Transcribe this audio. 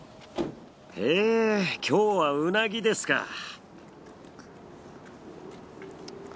へぇ今日はうなぎですか。